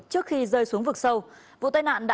trước khi rơi xuống vực sâu